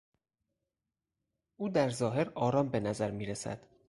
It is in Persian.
او در ظاهر آرام به نظر میرسد.